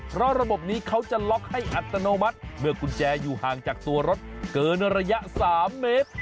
เพราะระบบนี้เขาจะล็อกให้อัตโนมัติเมื่อกุญแจอยู่ห่างจากตัวรถเกินระยะ๓เมตร